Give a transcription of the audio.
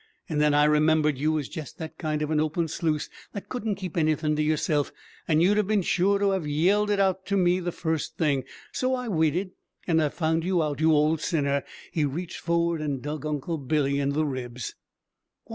And then I remembered you was jest that kind of an open sluice that couldn't keep anythin' to yourself, and you'd have been sure to have yelled it out to me the first thing. So I waited. And I found you out, you old sinner!" He reached forward and dug Uncle Billy in the ribs.